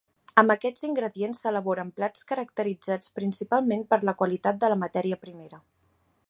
Amb aquests ingredients, s'elaboren plats caracteritzats principalment per la qualitat de la matèria primera.